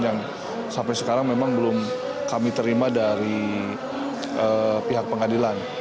yang sampai sekarang memang belum kami terima dari pihak pengadilan